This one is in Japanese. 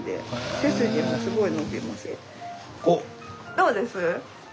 どうです？